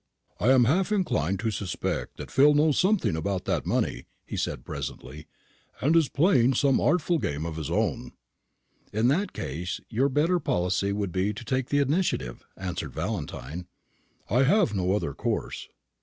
"I am half inclined to suspect that Phil knows something about that money," he said presently, "and is playing some artful game of his own." "In that case your better policy would be to take the initiative," answered Valentine. "I have no other course."